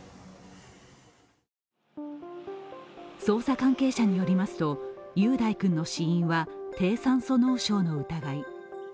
捜査関係者によりますと雄大君の死因は低酸素脳症の疑い。